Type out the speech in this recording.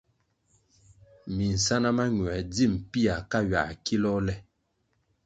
Minsáná mañuer dzi pia ka ywia kilôh le.